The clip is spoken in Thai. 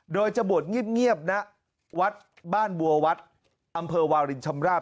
โดยจะบวชเงียบณวัดบ้านบัววัดอำเภอวาลินชำราบ